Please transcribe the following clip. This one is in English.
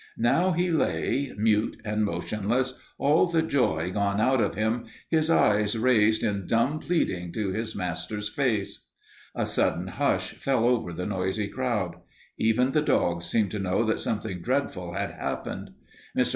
Now he lay, mute and motionless, all the joy gone out of him, his eyes raised in dumb pleading to his master's face. A sudden hush fell over the noisy crowd. Even the dogs seemed to know that something dreadful had happened. Mr.